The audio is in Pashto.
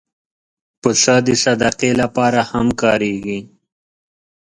پسه د صدقې لپاره هم کارېږي.